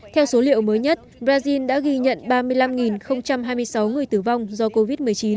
theo số liệu mới nhất brazil đã ghi nhận ba mươi năm hai mươi sáu người tử vong do covid một mươi chín